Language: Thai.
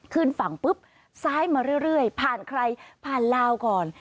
ขึ้นฝั่งปุ๊บซ้ายมาเรื่อยผ่านใครผ่านลาวก่อน